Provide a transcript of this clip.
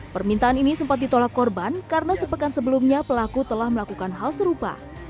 permintaan ini sempat ditolak korban karena sepekan sebelumnya pelaku telah melakukan hal serupa